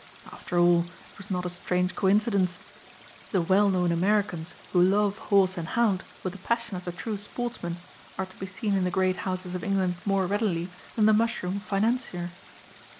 After all it was not a strange coincidence. The well known Americans who love horse and hound with the passion of the true sportsman are to be seen in the great houses of England more readily than the mushroom financier.